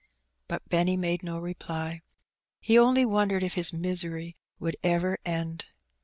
'^ But Benny made no reply. He only wondered if his misery would ever end.